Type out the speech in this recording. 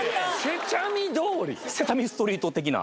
世茶味通⁉『セサミストリート』的な。